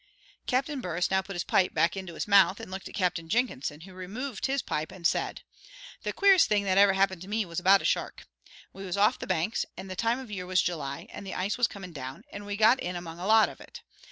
Captain Burress now put his pipe back into his mouth and looked at Captain Jenkinson, who removed his pipe and said: "The queerest thing that ever happened to me was about a shark. We was off the Banks, and the time of year was July, and the ice was coming down, and we got in among a lot of it.